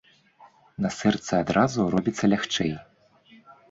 На сэрцы адразу робіцца лягчэй.